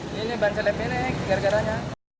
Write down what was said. ini ban selip belik gara garanya